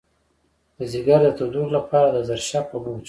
د ځیګر د تودوخې لپاره د زرشک اوبه وڅښئ